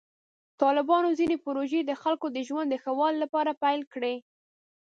طالبانو ځینې پروژې د خلکو د ژوند د ښه والي لپاره پیل کړې.